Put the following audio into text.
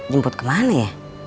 jemput kemana ya